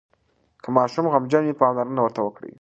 که ماشوم غمجن وي، پاملرنه ورته وکړئ.